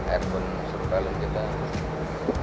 airpun serupa lebih jelas